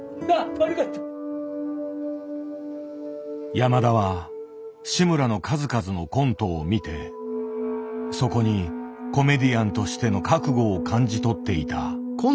山田は志村の数々のコントを見てそこにコメディアンとしての覚悟を感じ取っていた。